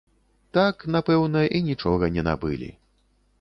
Так, напэўна, і нічога не набылі.